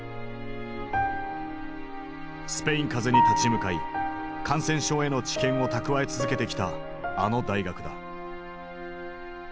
スペイン風邪に立ち向かい感染症への知見を蓄え続けてきたあの大学だ。